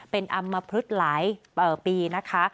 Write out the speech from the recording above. เป็นอำมพลึกหลายปีนะคะ